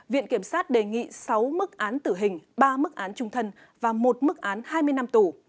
viện kiểm sát đề nghị sáu mức án tử hình ba mức án trung thân và một mức án hai mươi năm tù